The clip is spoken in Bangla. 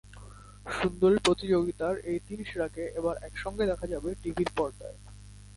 সুন্দরী প্রতিযোগিতার এই তিন সেরাকে এবার একসঙ্গে দেখা যাবে টিভির পর্দায়।